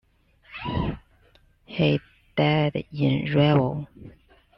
He died in Reval.